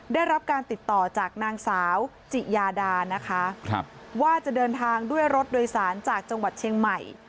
ได้รับการติดต่อจากนางสาวจิยาดานะคะว่าจะเดินทางด้วยรถโดยสารจากจังหวัดเชียงใหม่